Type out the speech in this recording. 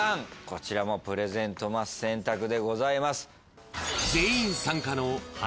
こちらもプレゼントマス選択でございます。